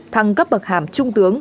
thăng cấp bậc hàm trung tướng